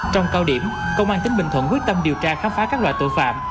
trong cao điểm công an tỉnh bình thuận quyết tâm điều tra khám phá các loại tội phạm